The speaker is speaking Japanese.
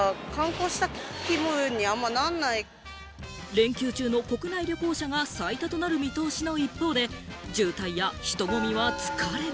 連休中の国内旅行者が最多となる見通しの一方で、渋滞や人混みは疲れる。